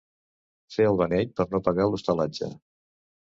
Fer el beneit per no pagar l'hostalatge.